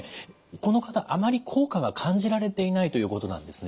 この方あまり効果が感じられていないということなんですね。